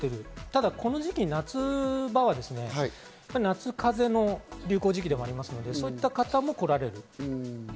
ただこの夏場は夏風邪の流行時期でもありますので、そういった方も来られる。